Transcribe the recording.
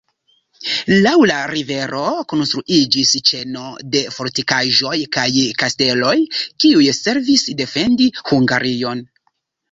Laŭ la rivero konstruiĝis ĉeno de fortikaĵoj kaj kasteloj, kiuj servis defendi Hungarion.